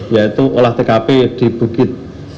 yaitu olah tkp di bukit